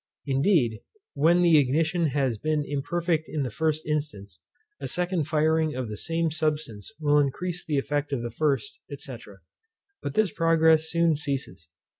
Indeed, when the ignition has been imperfect in the first instance, a second firing of the same substance will increase the effect of the first, &c. but this progress soon ceases.